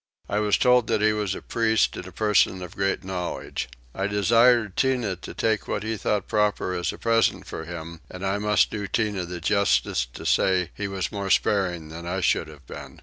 I was told that he was a priest and a person of great knowledge. I desired Tinah to take what he thought proper as a present for him; and I must do Tinah the justice to say he was more sparing than I should have been.